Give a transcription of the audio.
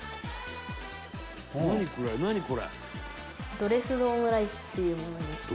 ドレスドオムライスっていうものに。